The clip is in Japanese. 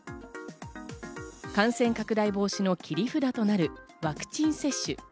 感染拡大防止の切り札となるワクチン接種。